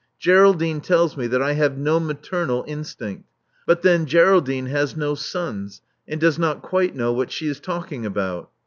Geraldinc tells me that I have no maternal instinct; but thei Geraldine has no sons, and does not quite know whai she it talking about.